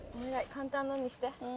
簡単なのにして。